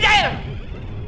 jangan lari kamu